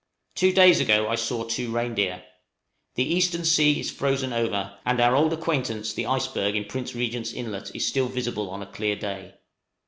Two days ago I saw two reindeer. The eastern sea is frozen over, and our old acquaintance the iceberg in Prince Regent's Inlet is still visible on a clear day.